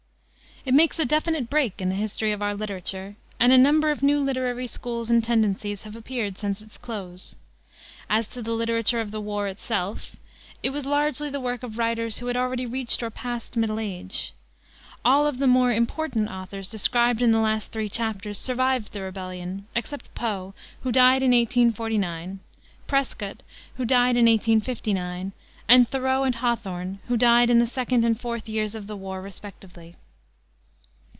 It makes a definite break in the history of our literature, and a number of new literary schools and tendencies have appeared since its close. As to the literature of the war itself, it was largely the work of writers who had already reached or passed middle age. All of the more important authors described in the last three chapters survived the Rebellion, except Poe, who died in 1849, Prescott, who died in 1859, and Thoreau and Hawthorne, who died in the second and fourth years of the war, respectively.